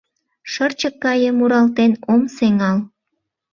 Шырчык гае муралтен ом сеҥал.